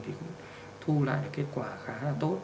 thì cũng thu lại kết quả khá là tốt